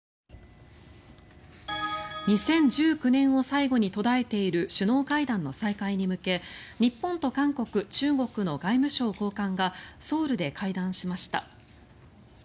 ２０１９年を最後に途絶えている首脳会談の再開に向け日本と韓国、中国の外務省高官がソウルで会談しました。